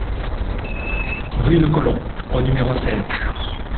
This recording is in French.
Rue de Colomb au numéro seize